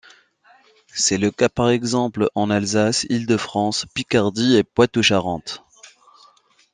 C'est le cas par exemple en Alsace, Île-de-France, Picardie et Poitou-Charentes.